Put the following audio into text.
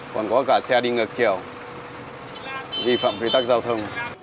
còn có cả xe đi ngược chiều vi phạm quy tắc giao thông